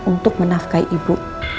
untuk menafkai ibu